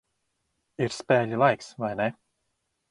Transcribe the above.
Ir spēļu laiks, vai ne?